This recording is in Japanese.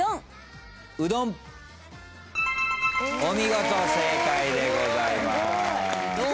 お見事正解でございます。